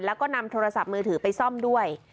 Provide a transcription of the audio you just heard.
แล้วก็นำโทรศัพท์มือถือไปซ่อมด้วย